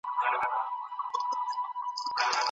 سوله د ملت د راتلونکي لپاره تضمین ده.